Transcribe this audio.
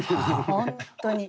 本当に。